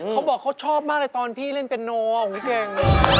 เขาบอกเขาชอบมากเลยตอนพี่เล่นเป็นโนหูเก่ง